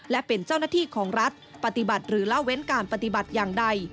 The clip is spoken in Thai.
และเป็นเจ้าหน้าที่ของรัฐปฏิบัติหรือเล่าเว้นการปฏิบัติอย่างใด